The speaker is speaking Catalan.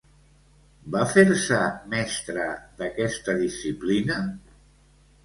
Va fer-se mestra d'aquesta disciplina?